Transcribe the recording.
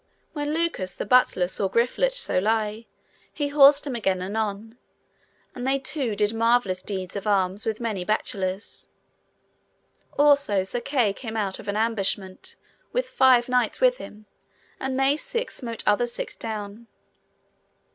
When Lucas the butler saw Griflet so lie, he horsed him again anon, and they two did marvellous deeds of arms with many bachelors. Also Sir Kay came out of an ambushment with five knights with him, and they six smote other six down.